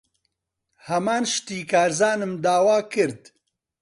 ھەمان شتی کارزانم داوا کرد.